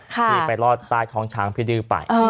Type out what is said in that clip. ที่ไปรอดใต้ท้องช้างพี่ดื้อไป